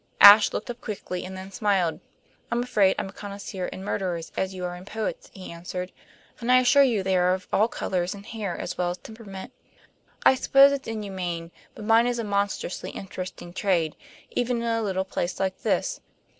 Ashe looked up quickly, and then smiled. "I'm afraid I'm a connoisseur in murderers, as you are in poets," he answered, "and I assure you they are of all colors in hair as well as temperament. I suppose it's inhumane, but mine is a monstrously interesting trade, even in a little place like this.